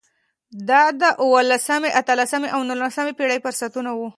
دا د اولسمې، اتلسمې او نولسمې پېړیو فرصتونه وو.